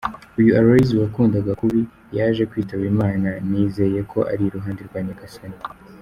Uyu Aloys wankundaga kubi yaje kwitaba Imana nizeye ko ari iruhande rwa Nyagasani.